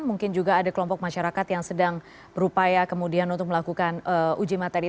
mungkin juga ada kelompok masyarakat yang sedang berupaya kemudian untuk melakukan uji materi